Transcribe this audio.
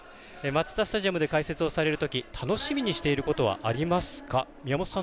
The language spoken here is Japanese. マツダスタジアムで解説をされているとき楽しみにしていることはありますか？